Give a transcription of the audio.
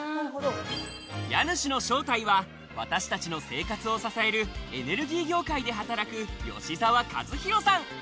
家主の正体は私達の生活を支えるエネルギー業界で働く吉澤一祐さん。